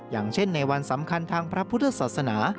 อย่างเช่นในวันสำคัญทางพระพุทธศาสนา